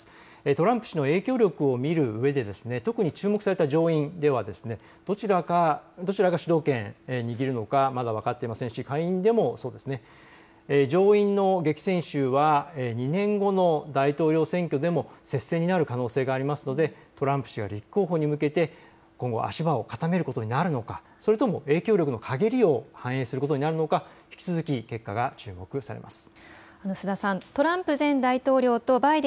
トランプ氏の影響力を見るうえで特に注目された上院ではどちらが主導権を握るのか、まだ分かっていませんし、上院の激戦州は２年後の大統領選挙でも接戦になる可能性がありますのでトランプ氏が立候補に向けて今後足場を固めることになるのか、それとも影響力のかげりを反映することになるのか引き続き結果が注目されます。